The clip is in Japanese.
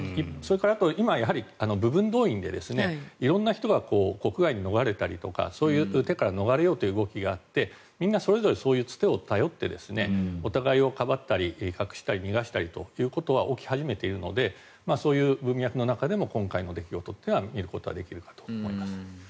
あとは部分動員で色んな人が国外に逃れたりとかそういう手から逃れようという動きがあってみんなそれぞれそういう、つてを頼ってお互いをかばったり、隠したり逃がしたりということは起き始めているのでそういう文脈の中での今回の行動というのが見ることはできると思います。